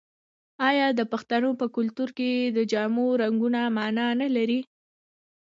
آیا د پښتنو په کلتور کې د جامو رنګونه مانا نلري؟